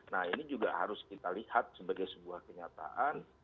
nah ini juga harus kita lihat sebagai sebuah kenyataan